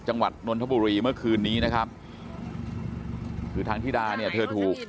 นนทบุรีเมื่อคืนนี้นะครับคือทางธิดาเนี่ยเธอถูก